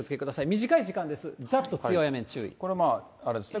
短い時間です、ざっと強い雨に注これ、あれですね。